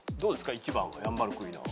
１番ヤンバルクイナは。